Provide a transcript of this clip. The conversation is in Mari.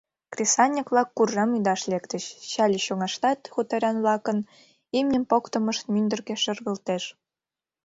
Кресаньык-влак уржам ӱдаш лектыч, Шале чоҥгаштат хуторян-влакын имньым поктымышт мӱндыркӧ шергылтеш.